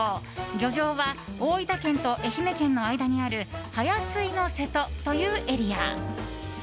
漁場は大分県と愛媛県の間にある速吸の瀬戸というエリア。